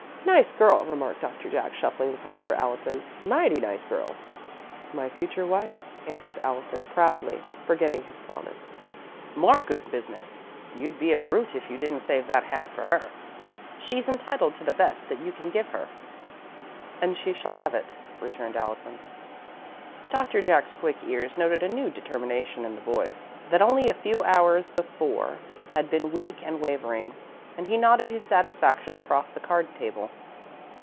"Nice girl," remarked Doctor Jack, shuffling the cards for Allison. "Mighty nice girl." "My future wife," answered Allison, proudly, forgetting his promise. "More good business. You'd be a brute if you didn't save that hand for her. She's entitled to the best that you can give her." "And she shall have it," returned Allison. Doctor Jack's quick ears noted a new determination in the voice, that only a few hours before had been weak and wavering, and he nodded his satisfaction across the card table.